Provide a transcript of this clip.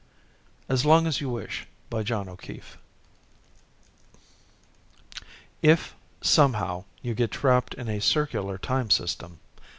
AS LONG AS YOU WISH _If, somehow, you get trapped in a circular time system